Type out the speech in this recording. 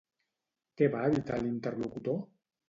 Què va evitar l'interlocutor?